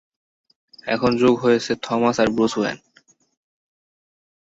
এখন যোগ হয়েছে থমাস আর ব্রুস ওয়েন।